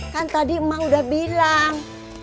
kan tadi emak udah bilang